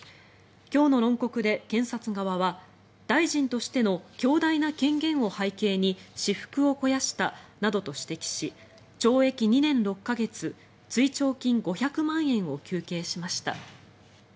今日の論告で検察側は大臣としての強大な権限を背景に私腹を肥やしたなどと指摘し懲役２年６か月追徴金５００万円を求刑しました。